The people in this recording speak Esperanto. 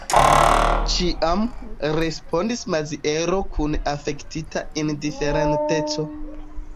Ĉiam, respondis Maziero kun afektita indiferenteco.